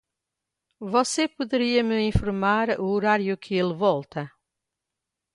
Você poderia me informar o horário que ele volta?